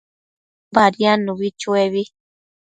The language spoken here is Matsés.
Badiadnubi chuebi